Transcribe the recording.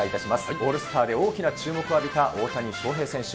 オールスターで大きな注目を浴びた大谷翔平選手。